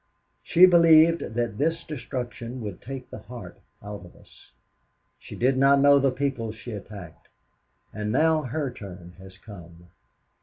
She believed that this destruction would take the heart out of us. She did not know the peoples she attacked. And now her turn has come.